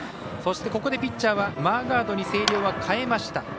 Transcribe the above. そして、ここでピッチャーはマーガードに星稜は代えました。